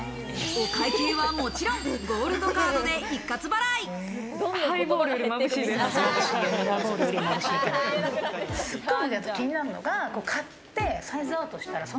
お会計はもちろんゴールドカードで一括払い。